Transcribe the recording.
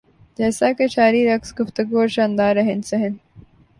جیسا کہ شاعری رقص گفتگو اور شاندار رہن سہن